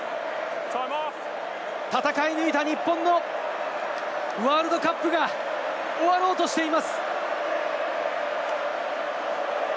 戦い抜いた日本のワールドカップが終わろうとしています。